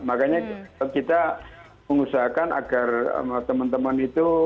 makanya kita mengusahakan agar teman teman itu